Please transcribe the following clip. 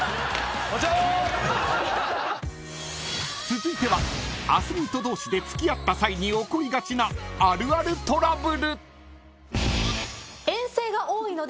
［続いてはアスリート同士で付き合った際に起こりがちなあるあるトラブル］